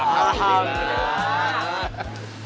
alhamdulillah dia jual empat beh